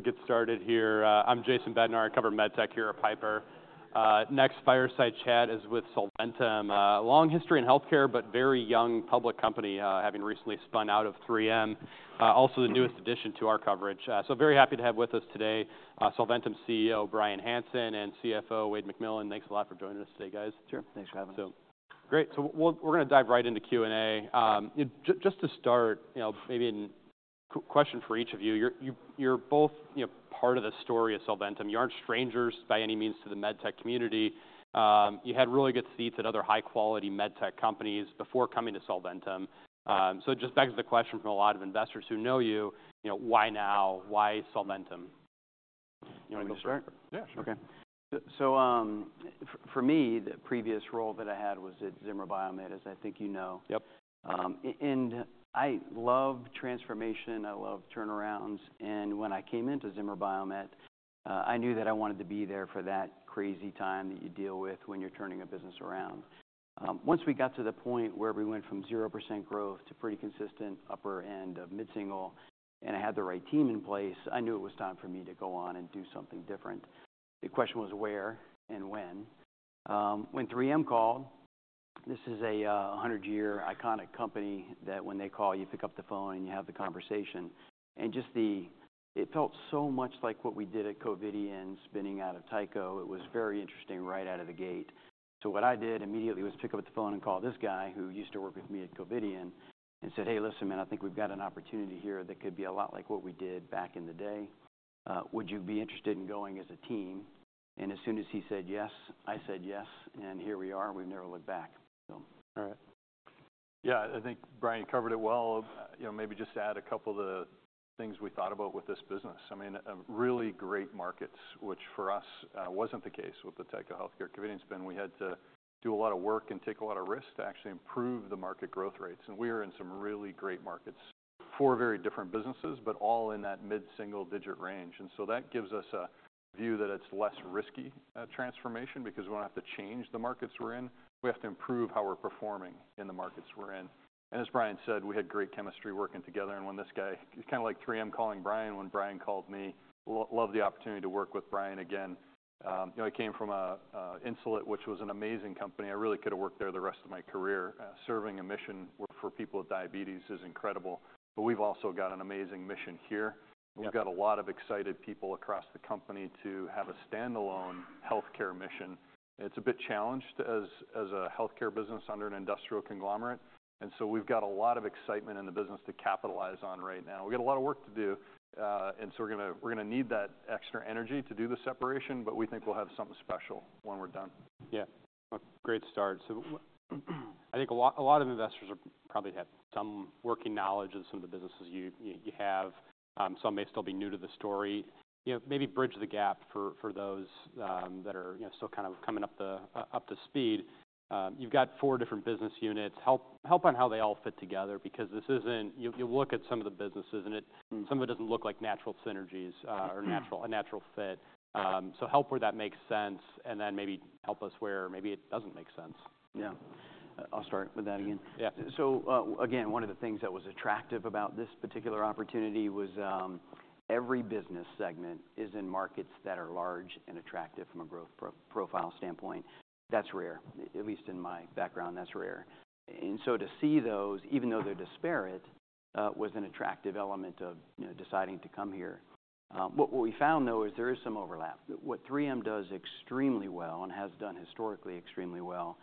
All right, we'll get started here. I'm Jason Bednar. I cover med tech here at Piper. Next fireside chat is with Solventum, a long history in healthcare but very young public company, having recently spun out of 3M. Also, the newest addition to our coverage. So very happy to have with us today Solventum CEO Bryan Hanson and CFO Wayde McMillan. Thanks a lot for joining us today, guys. Sure, thanks for having us. Great. So we're going to dive right into Q&A. Just to start, maybe a question for each of you. You're both part of the story of Solventum. You aren't strangers by any means to the med tech community. You had really good seats at other high-quality med tech companies before coming to Solventum. So it just begs the question from a lot of investors who know you, why now? Why Solventum? You want to go start? Yeah, sure. Okay So for me, the previous role that I had was at Zimmer Biomet, as I think you know, and I love transformation. I love turnarounds, and when I came into Zimmer Biomet, I knew that I wanted to be there for that crazy time that you deal with when you're turning a business around. Once we got to the point where we went from 0% growth to pretty consistent upper end of mid-single, and I had the right team in place, I knew it was time for me to go on and do something different. The question was where and when. When 3M called, this is a 100-year iconic company that when they call, you pick up the phone and you have the conversation, and just, it felt so much like what we did at Covidien spinning out of Tyco. It was very interesting right out of the gate, so what I did immediately was pick up the phone and call this guy who used to work with me at Covidien and said, "Hey, listen, man, I think we've got an opportunity here that could be a lot like what we did back in the day. Would you be interested in going as a team?" and as soon as he said yes, I said yes, and here we are. We've never looked back. All right. Yeah, I think Bryan covered it well. Maybe just to add a couple of the things we thought about with this business. I mean, really great markets, which for us wasn't the case with the Tyco Healthcare Covidien spin. We had to do a lot of work and take a lot of risk to actually improve the market growth rates. And we are in some really great markets for very different businesses, but all in that mid-single digit range. And so that gives us a view that it's less risky transformation because we don't have to change the markets we're in. We have to improve how we're performing in the markets we're in. And as Bryan said, we had great chemistry working together. And when this guy, it's kind of like 3M calling Bryan when Bryan called me. Love the opportunity to work with Bryan again. I came from Insulet, which was an amazing company. I really could have worked there the rest of my career. Serving a mission for people with diabetes is incredible. But we've also got an amazing mission here. We've got a lot of excited people across the company to have a standalone healthcare mission. It's a bit challenged as a healthcare business under an industrial conglomerate. And so we've got a lot of excitement in the business to capitalize on right now. We've got a lot of work to do. And so we're going to need that extra energy to do the separation. But we think we'll have something special when we're done. Yeah, great start. So I think a lot of investors probably had some working knowledge of some of the businesses you have. Some may still be new to the story. Maybe bridge the gap for those that are still kind of coming up to speed. You've got four different business units. Help on how they all fit together because this isn't you'll look at some of the businesses, and some of it doesn't look like natural synergies or a natural fit. So help where that makes sense. And then maybe help us where maybe it doesn't make sense. Yeah, I'll start with that again. Yeah. So again, one of the things that was attractive about this particular opportunity was every business segment is in markets that are large and attractive from a growth profile standpoint. That's rare, at least in my background. That's rare. And so to see those, even though they're disparate, was an attractive element of deciding to come here. What we found, though, is there is some overlap. What 3M does extremely well and has done historically extremely well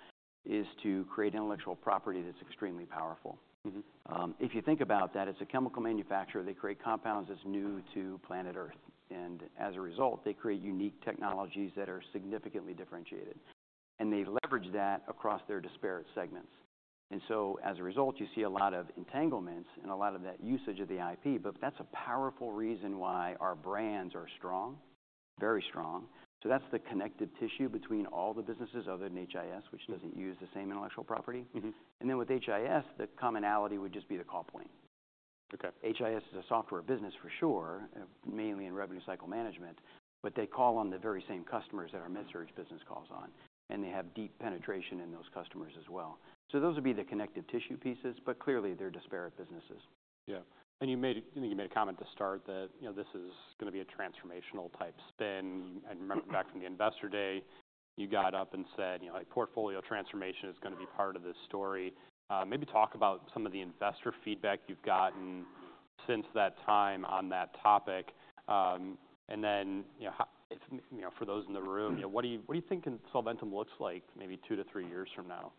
is to create intellectual property that's extremely powerful. If you think about that, it's a chemical manufacturer. They create compounds that's new to planet Earth. And as a result, they create unique technologies that are significantly differentiated. And they leverage that across their disparate segments. And so as a result, you see a lot of entanglements and a lot of that usage of the IP. But that's a powerful reason why our brands are strong, very strong. So that's the connective tissue between all the businesses other than HIS, which doesn't use the same intellectual property. And then with HIS, the commonality would just be the call point. HIS is a software business for sure, mainly in revenue cycle management. But they call on the very same customers that our MedSurg business calls on. And they have deep penetration in those customers as well. So those would be the connective tissue pieces. But clearly, they're disparate businesses. Yeah. And you made a comment to start that this is going to be a transformational type spin. I remember back from the investor day, you got up and said, portfolio transformation is going to be part of this story. Maybe talk about some of the investor feedback you've gotten since that time on that topic. And then for those in the room, what do you think Solventum looks like maybe two to three years from now?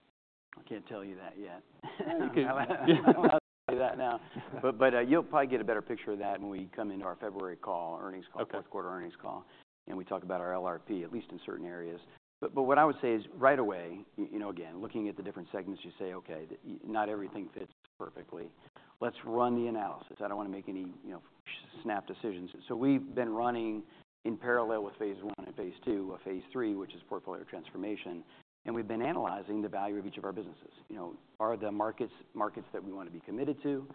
I can't tell you that yet. I don't know how to tell you that now, but you'll probably get a better picture of that when we come into our February earnings call, fourth quarter earnings call, and we talk about our LRP, at least in certain areas, but what I would say is right away, again, looking at the different segments, you say, OK, not everything fits perfectly. Let's run the analysis. I don't want to make any snap decisions, so we've been running in parallel with phase one and phase two of phase three, which is portfolio transformation, and we've been analyzing the value of each of our businesses. Are the markets that we want to be committed to?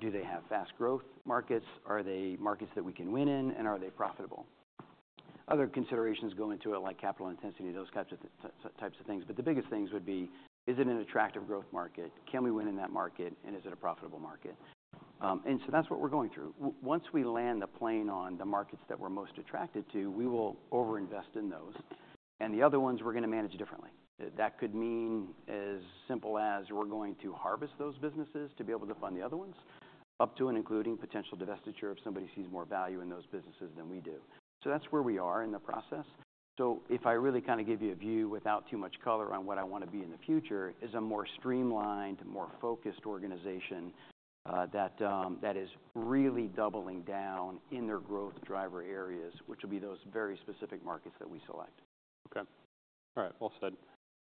Do they have fast growth markets? Are they markets that we can win in, and are they profitable? Other considerations go into it, like capital intensity, those types of things. But the biggest things would be, is it an attractive growth market? Can we win in that market? And is it a profitable market? And so that's what we're going through. Once we land the plane on the markets that we're most attracted to, we will overinvest in those. And the other ones, we're going to manage differently. That could mean as simple as we're going to harvest those businesses to be able to fund the other ones up to and including potential divestiture if somebody sees more value in those businesses than we do. So that's where we are in the process. If I really kind of give you a view without too much color on what I want to be in the future, it's a more streamlined, more focused organization that is really doubling down in their growth driver areas, which will be those very specific markets that we select. OK. All right, well said.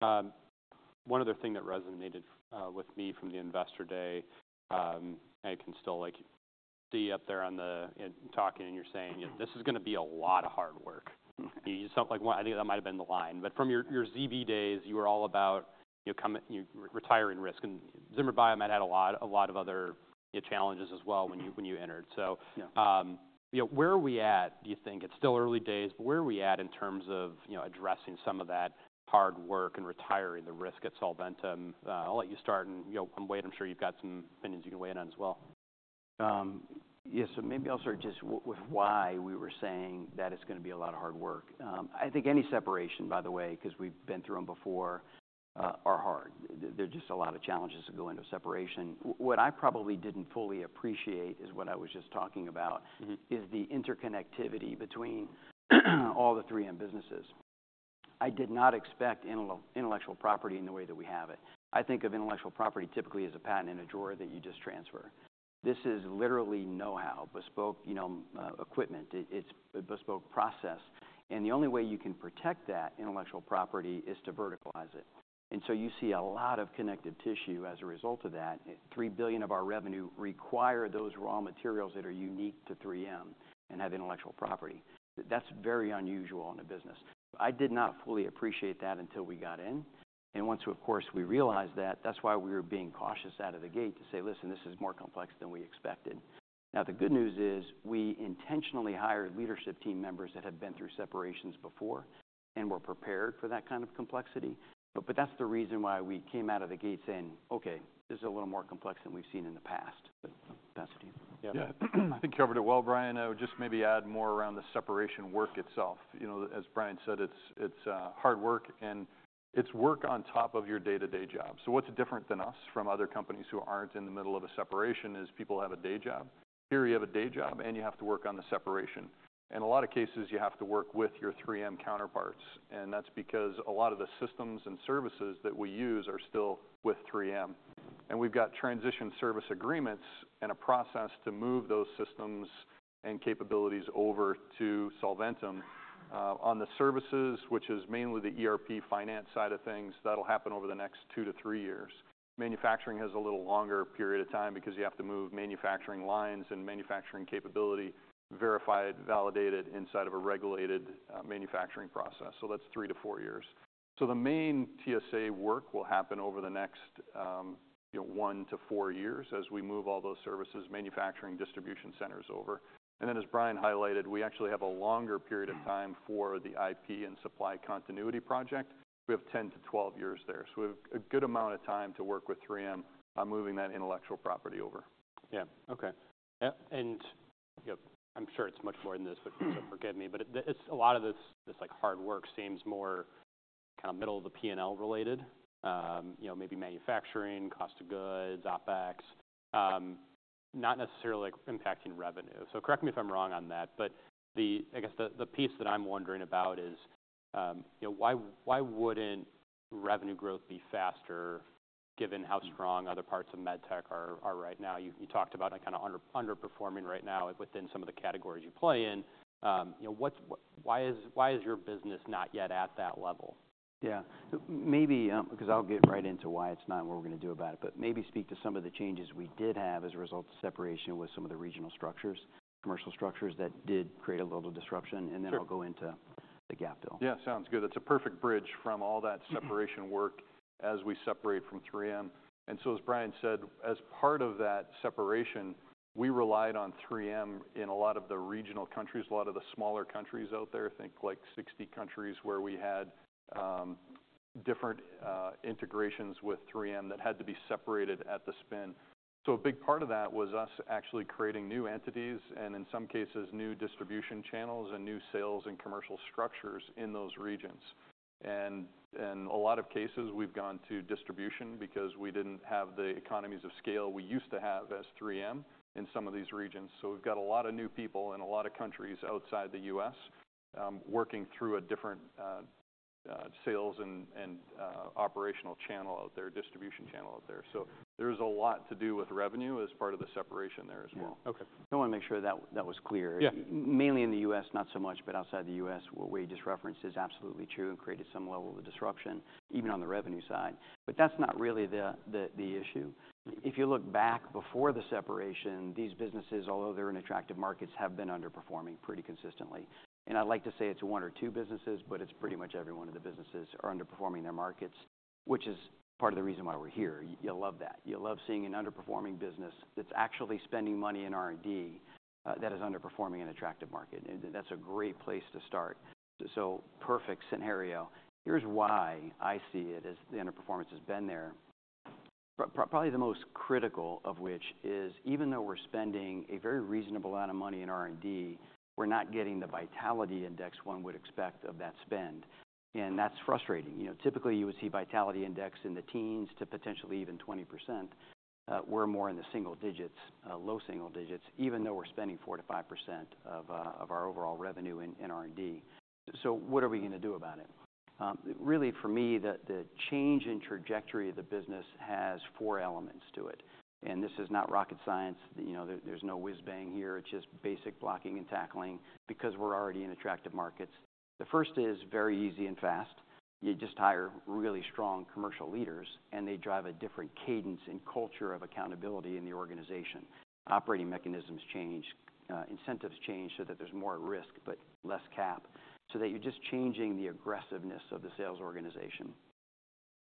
One other thing that resonated with me from the investor day, I can still see you up there talking, and you're saying, this is going to be a lot of hard work. I think that might have been the line, but from your ZB days, you were all about retiring risk, and Zimmer Biomet had a lot of other challenges as well when you entered, so where are we at, do you think? It's still early days, but where are we at in terms of addressing some of that hard work and retiring the risk at Solventum? I'll let you start, and Wayde, I'm sure you've got some opinions you can weigh in on as well. Yeah, so maybe I'll start just with why we were saying that it's going to be a lot of hard work. I think any separation, by the way, because we've been through them before, are hard. There are just a lot of challenges that go into separation. What I probably didn't fully appreciate is what I was just talking about, is the interconnectivity between all the 3M businesses. I did not expect intellectual property in the way that we have it. I think of intellectual property typically as a patent and a drawer that you just transfer. This is literally know-how, bespoke equipment. It's a bespoke process, and the only way you can protect that intellectual property is to verticalize it, and so you see a lot of connective tissue as a result of that. $3 billion of our revenue require those raw materials that are unique to 3M and have intellectual property. That's very unusual in a business. I did not fully appreciate that until we got in. And once, of course, we realized that, that's why we were being cautious out of the gate to say, listen, this is more complex than we expected. Now, the good news is we intentionally hired leadership team members that have been through separations before and were prepared for that kind of complexity. But that's the reason why we came out of the gate saying, OK, this is a little more complex than we've seen in the past. Yeah, I think you covered it well, Bryan. I would just maybe add more around the separation work itself. As Bryan said, it's hard work. And it's work on top of your day-to-day job. So what's different than us from other companies who aren't in the middle of a separation is people have a day job. Here, you have a day job. And you have to work on the separation. And in a lot of cases, you have to work with your 3M counterparts. And that's because a lot of the systems and services that we use are still with 3M. And we've got transition service agreements and a process to move those systems and capabilities over to Solventum. On the services, which is mainly the ERP finance side of things, that'll happen over the next two to three years. Manufacturing has a little longer period of time because you have to move manufacturing lines and manufacturing capability verified, validated inside of a regulated manufacturing process. So that's three to four years. So the main TSA work will happen over the next one to four years as we move all those services, manufacturing, distribution centers over. And then, as Bryan highlighted, we actually have a longer period of time for the IP and supply continuity project. We have 10-12 years there. So we have a good amount of time to work with 3M on moving that intellectual property over. Yeah, OK, and I'm sure it's much more than this, so forgive me, but a lot of this hard work seems more kind of middle of the P&L related, maybe manufacturing, cost of goods, OpEx, not necessarily impacting revenue. So correct me if I'm wrong on that, but I guess the piece that I'm wondering about is, why wouldn't revenue growth be faster given how strong other parts of med tech are right now? You talked about kind of underperforming right now within some of the categories you play in. Why is your business not yet at that level? Yeah, maybe because I'll get right into why it's not and what we're going to do about it, but maybe speak to some of the changes we did have as a result of separation with some of the regional structures, commercial structures that did create a little disruption, and then I'll go into the gap, though. Yeah. Sounds good. That's a perfect bridge from all that separation work as we separate from 3M. And so as Bryan said, as part of that separation, we relied on 3M in a lot of the regional countries, a lot of the smaller countries out there, I think like 60 countries where we had different integrations with 3M that had to be separated at the spin. So a big part of that was us actually creating new entities and, in some cases, new distribution channels and new sales and commercial structures in those regions. And in a lot of cases, we've gone to distribution because we didn't have the economies of scale we used to have as 3M in some of these regions. So we've got a lot of new people in a lot of countries outside the U.S. working through a different sales and operational channel out there, distribution channel out there. So there is a lot to do with revenue as part of the separation there as well. OK. I want to make sure that was clear. Mainly in the U.S., not so much. But outside the U.S., what Wayde just referenced is absolutely true and created some level of disruption, even on the revenue side. But that's not really the issue. If you look back before the separation, these businesses, although they're in attractive markets, have been underperforming pretty consistently. And I'd like to say it's one or two businesses. But it's pretty much every one of the businesses are underperforming their markets, which is part of the reason why we're here. You'll love that. You'll love seeing an underperforming business that's actually spending money in R&D that is underperforming an attractive market. That's a great place to start. So perfect scenario. Here's why I see it as the underperformance has been there. Probably the most critical of which is, even though we're spending a very reasonable amount of money in R&D, we're not getting the vitality index one would expect of that spend, and that's frustrating. Typically, you would see vitality index in the teens to potentially even 20%. We're more in the single digits, low single-digits, even though we're spending 4%-5% of our overall revenue in R&D. So what are we going to do about it? Really, for me, the change in trajectory of the business has four elements to it, and this is not rocket science. There's no whiz-bang here. It's just basic blocking and tackling because we're already in attractive markets. The first is very easy and fast. You just hire really strong commercial leaders, and they drive a different cadence and culture of accountability in the organization. Operating mechanisms change. Incentives change so that there's more risk but less cap, so that you're just changing the aggressiveness of the sales organization.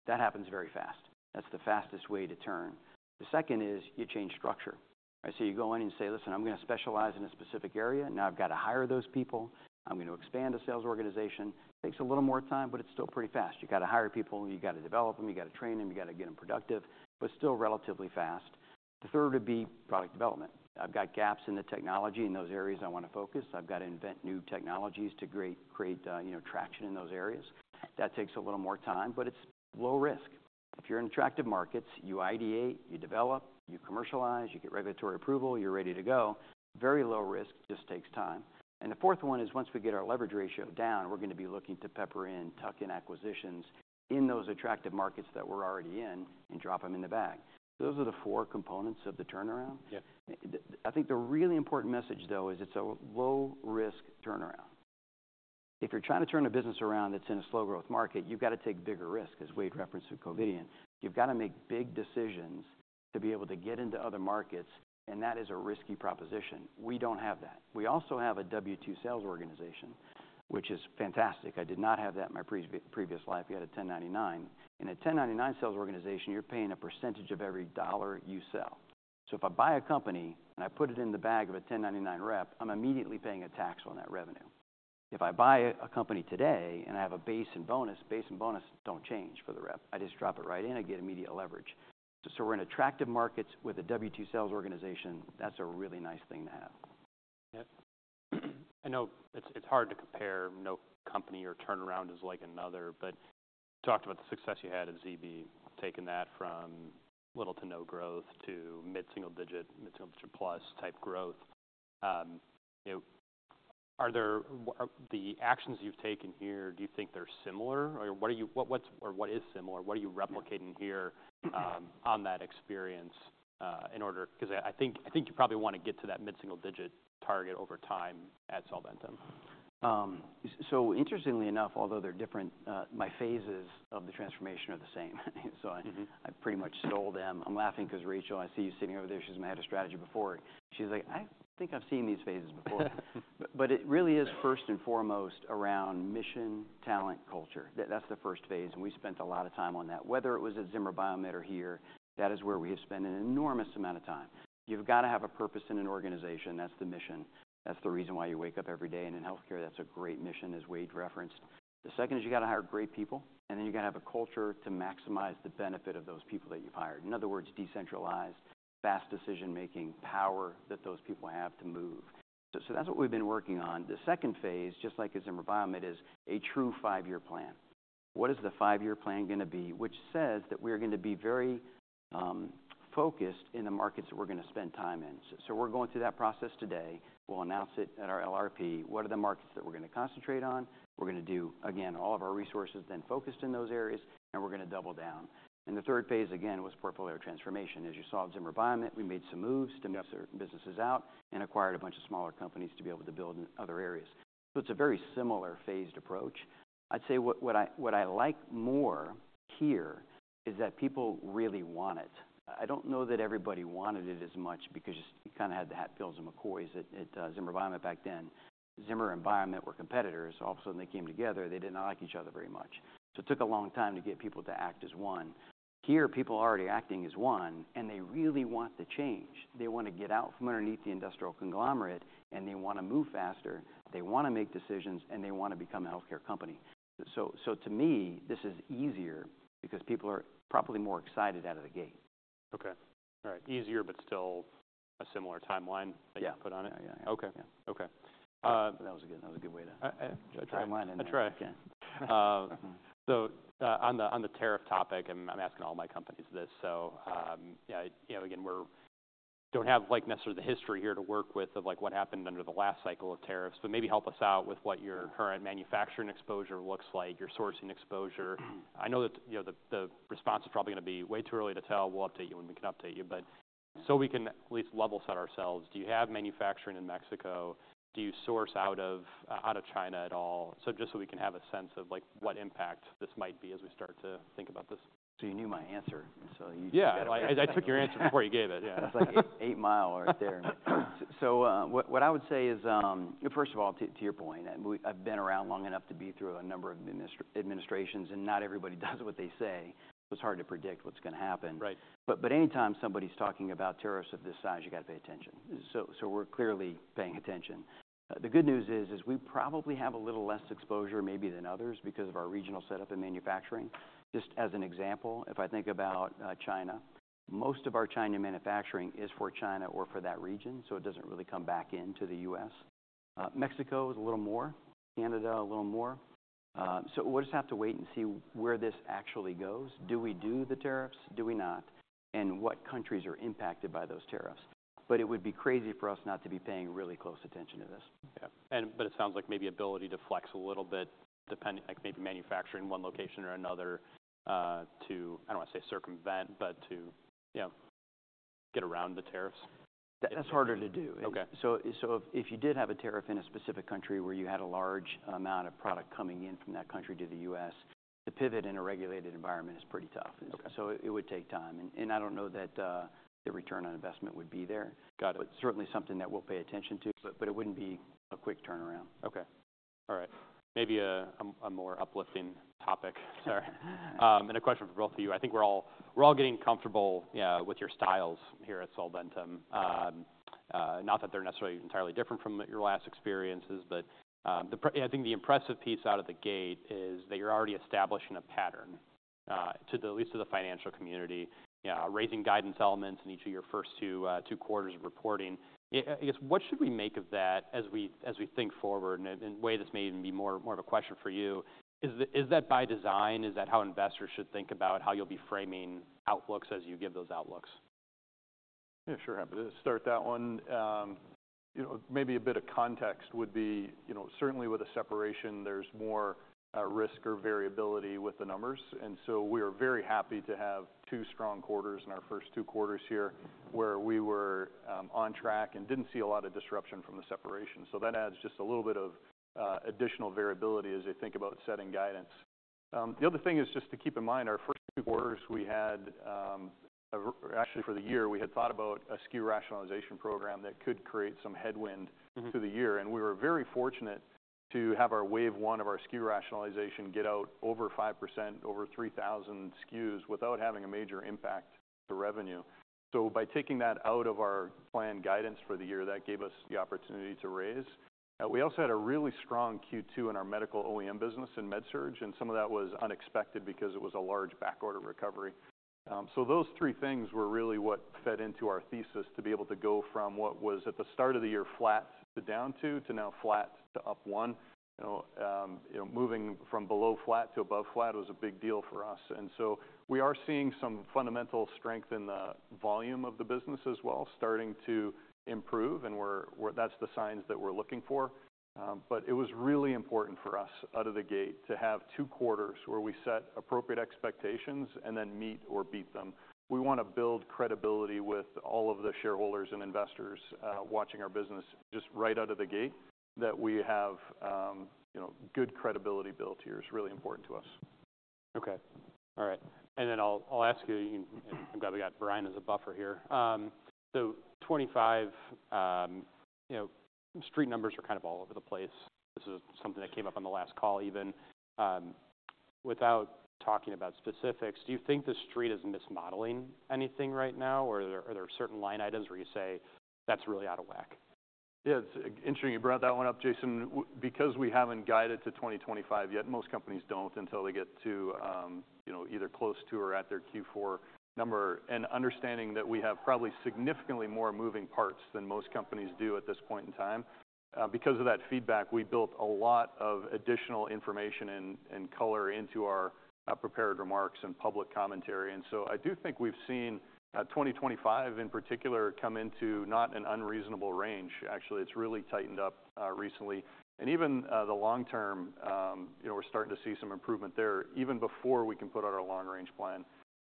That happens very fast. That's the fastest way to turn. The second is you change structure. So you go in and say, listen, I'm going to specialize in a specific area. Now I've got to hire those people. I'm going to expand a sales organization. Takes a little more time. But it's still pretty fast. You've got to hire people. You've got to develop them. You've got to train them. You've got to get them productive. But still relatively fast. The third would be product development. I've got gaps in the technology in those areas I want to focus. I've got to invent new technologies to create traction in those areas. That takes a little more time. But it's low risk. If you're in attractive markets, you ideate, you develop, you commercialize, you get regulatory approval, you're ready to go. Very low risk, just takes time. And the fourth one is once we get our leverage ratio down, we're going to be looking to pepper in, tuck in acquisitions in those attractive markets that we're already in and drop them in the bag. Those are the four components of the turnaround. I think the really important message, though, is it's a low-risk turnaround. If you're trying to turn a business around that's in a slow-growth market, you've got to take bigger risk, as Wayde referenced with Covidien. You've got to make big decisions to be able to get into other markets. And that is a risky proposition. We don't have that. We also have a W-2 sales organization, which is fantastic. I did not have that in my previous life. You had a 1099. In a 1099 sales organization, you're paying a percentage of every dollar you sell. So if I buy a company and I put it in the bag of a 1099 rep, I'm immediately paying a tax on that revenue. If I buy a company today and I have a base and bonus, base and bonus don't change for the rep. I just drop it right in. I get immediate leverage. So we're in attractive markets with a W-2 sales organization. That's a really nice thing to have. I know it's hard to compare. No company or turnaround is like another. But you talked about the success you had at ZB taking that from little to no growth to mid-single digit, mid-single digit plus type growth. Are the actions you've taken here, do you think they're similar? Or what is similar? What are you replicating here on that experience? Because I think you probably want to get to that mid-single digit target over time at Solventum. So interestingly enough, although they're different, my phases of the transformation are the same. So I pretty much stole them. I'm laughing because Rachel, I see you sitting over there. She's my head of strategy before. She's like, I think I've seen these phases before. But it really is first and foremost around mission, talent, culture. That's the first phase. And we spent a lot of time on that. Whether it was at Zimmer Biomet or here, that is where we have spent an enormous amount of time. You've got to have a purpose in an organization. That's the mission. That's the reason why you wake up every day. And in health care, that's a great mission, as Wayde referenced. The second is you've got to hire great people. And then you've got to have a culture to maximize the benefit of those people that you've hired. In other words, decentralized, fast decision-making, power that those people have to move. So that's what we've been working on. The second phase, just like at Zimmer Biomet, is a true five-year plan. What is the five-year plan going to be, which says that we are going to be very focused in the markets that we're going to spend time in? So we're going through that process today. We'll announce it at our LRP. What are the markets that we're going to concentrate on? We're going to do, again, all of our resources then focused in those areas, and we're going to double down, and the third phase, again, was portfolio transformation. As you saw at Zimmer Biomet, we made some moves, sold some businesses out, and acquired a bunch of smaller companies to be able to build in other areas, so it's a very similar phased approach. I'd say what I like more here is that people really want it. I don't know that everybody wanted it as much because you kind of had the Hatfields and McCoys at Zimmer Biomet back then. Zimmer and Biomet were competitors. All of a sudden, they came together. They did not like each other very much, so it took a long time to get people to act as one. Here, people are already acting as one, and they really want the change. They want to get out from underneath the industrial conglomerate, and they want to move faster. They want to make decisions, and they want to become a health care company, so to me, this is easier because people are probably more excited out of the gate. OK. All right. Easier but still a similar timeline that you put on it? Yeah. OK. That was a good way to. I'll try. So on the tariff topic, I'm asking all my companies this. So again, we don't have necessarily the history here to work with of what happened under the last cycle of tariffs. But maybe help us out with what your current manufacturing exposure looks like, your sourcing exposure. I know that the response is probably going to be way too early to tell. We'll update you when we can update you. But so we can at least level set ourselves. Do you have manufacturing in Mexico? Do you source out of China at all? So just so we can have a sense of what impact this might be as we start to think about this. So you knew my answer. So you got. I took your answer before you gave it. Yeah. It's like eight miles right there. So what I would say is, first of all, to your point, I've been around long enough to be through a number of administrations. And not everybody does what they say. So it's hard to predict what's going to happen. But any time somebody's talking about tariffs of this size, you've got to pay attention. So we're clearly paying attention. The good news is we probably have a little less exposure maybe than others because of our regional setup in manufacturing. Just as an example, if I think about China, most of our China manufacturing is for China or for that region. So it doesn't really come back into the U.S. Mexico is a little more. Canada, a little more. So we'll just have to wait and see where this actually goes. Do we do the tariffs? Do we not? What countries are impacted by those tariffs? It would be crazy for us not to be paying really close attention to this. Yeah, but it sounds like maybe ability to flex a little bit, maybe manufacturing one location or another, to, I don't want to say circumvent, but to get around the tariffs. That's harder to do. So if you did have a tariff in a specific country where you had a large amount of product coming in from that country to the U.S., to pivot in a regulated environment is pretty tough. So it would take time. And I don't know that the return on investment would be there. But certainly something that we'll pay attention to. But it wouldn't be a quick turnaround. OK. All right. Maybe a more uplifting topic. Sorry, and a question for both of you. I think we're all getting comfortable with your styles here at Solventum. Not that they're necessarily entirely different from your last experiences, but I think the impressive piece out of the gate is that you're already establishing a pattern, at least to the financial community, raising guidance elements in each of your first two quarters of reporting. I guess, what should we make of that as we think forward? And Wayde, this may even be more of a question for you. Is that by design? Is that how investors should think about how you'll be framing outlooks as you give those outlooks? Yeah, sure. I'll start that one. Maybe a bit of context would be, certainly with a separation, there's more risk or variability with the numbers. And so we are very happy to have two strong quarters in our first two quarters here where we were on track and didn't see a lot of disruption from the separation. So that adds just a little bit of additional variability as you think about setting guidance. The other thing is just to keep in mind, our first two quarters we had, actually for the year, we had thought about a SKU rationalization program that could create some headwind to the year. And we were very fortunate to have our wave one of our SKU rationalization get out over 5%, over 3,000 SKUs without having a major impact to revenue. So by taking that out of our planned guidance for the year, that gave us the opportunity to raise. We also had a really strong Q2 in our Medical OEM business in MedSurg. And some of that was unexpected because it was a large backorder recovery. So those three things were really what fed into our thesis to be able to go from what was at the start of the year flat to down two, to now flat to up one. Moving from below flat to above flat was a big deal for us. And so we are seeing some fundamental strength in the volume of the business as well, starting to improve. And that's the signs that we're looking for. But it was really important for us out of the gate to have two quarters where we set appropriate expectations and then meet or beat them. We want to build credibility with all of the shareholders and investors watching our business just right out of the gate, that we have good credibility built here. It's really important to us. Okay. All right, and then I'll ask you. I'm glad we got Bryan as a buffer here. So '25 Street numbers are kind of all over the place. This is something that came up on the last call even. Without talking about specifics, do you think the Street is mismodeling anything right now? Or are there certain line items where you say that's really out of whack? Yeah, it's interesting you brought that one up, Jason. Because we haven't guided to 2025 yet, most companies don't until they get to either close to or at their Q4 number. And understanding that we have probably significantly more moving parts than most companies do at this point in time. Because of that feedback, we built a lot of additional information and color into our prepared remarks and public commentary. And so I do think we've seen 2025 in particular come into not an unreasonable range. Actually, it's really tightened up recently. And even the long term, we're starting to see some improvement there, even before we can put out our long range plan.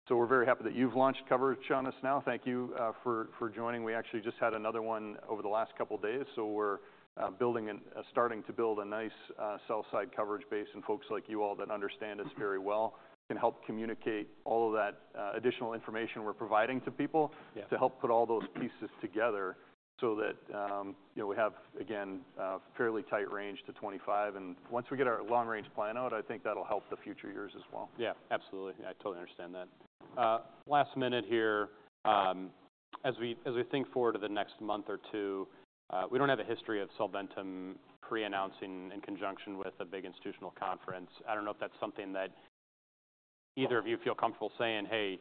So we're very happy that you've launched coverage on us now. Thank you for joining. We actually just had another one over the last couple of days. So we're starting to build a nice sell-side coverage base. And folks like you all that understand us very well can help communicate all of that additional information we're providing to people to help put all those pieces together so that we have, again, a fairly tight range to 25. And once we get our long range plan out, I think that'll help the future years as well. Yeah, absolutely. I totally understand that. Last minute here. As we think forward to the next month or two, we don't have a history of Solventum pre-announcing in conjunction with a big institutional conference. I don't know if that's something that either of you feel comfortable saying, hey,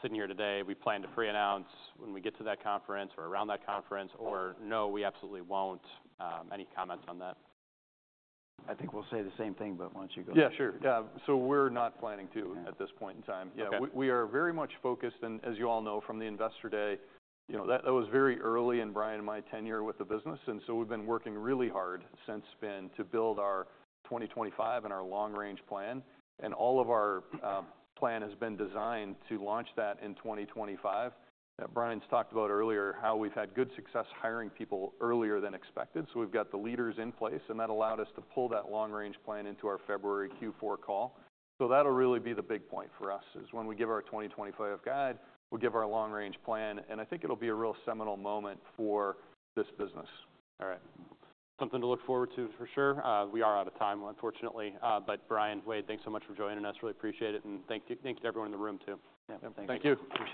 sitting here today, we plan to pre-announce when we get to that conference or around that conference. Or no, we absolutely won't. Any comments on that? I think we'll say the same thing, but why don't you go? Yeah, sure. So we're not planning to at this point in time. We are very much focused. And as you all know from the investor day, that was very early in Bryan and my tenure with the business. And so we've been working really hard since then to build our 2025 and our long range plan. And all of our plan has been designed to launch that in 2025. Bryan's talked about earlier how we've had good success hiring people earlier than expected. So we've got the leaders in place. And that allowed us to pull that long range plan into our February Q4 call. So that'll really be the big point for us is when we give our 2025 guide, we'll give our long range plan. And I think it'll be a real seminal moment for this business. All right. Something to look forward to for sure. We are out of time, unfortunately. But Bryan, Wayde, thanks so much for joining us. Really appreciate it. And thank you to everyone in the room too. Thank you.